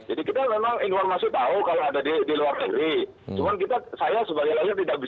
jadi kita memang informasi tahu kalau ada di luar negeri